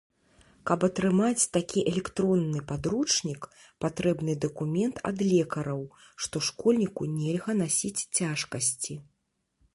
Каб атрымаць такі электронны падручнік, патрэбны дакумент ад лекараў, што школьніку нельга насіць цяжкасці.